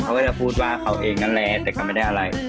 เขาก็จะพูดว่าเขาเองนั่นแหละแต่เขาไม่ได้อะไร